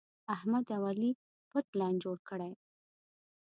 احمد او علي پټ لین جوړ کړی.